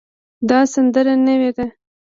دا سندره نوې ده